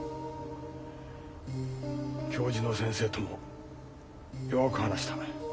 教授の先生ともよく話した。